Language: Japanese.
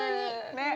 ねっ。